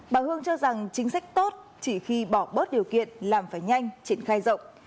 bà hương cho rằng chính sách tốt chỉ khi bỏ bớt điều kiện làm phải nhanh triển khai rộng